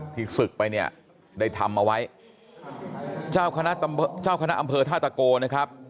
ที่สึกไปเนี่ยได้ทำเอาไว้เจ้าคณะอำเภอธาตัโกนะครับ